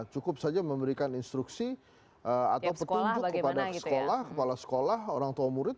cukup saja memberikan instruksi atau petunjuk kepada sekolah kepala sekolah orang tua murid